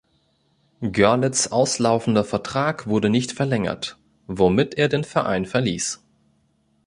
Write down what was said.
Görlitz' auslaufender Vertrag wurde nicht verlängert, womit er den Verein verließ.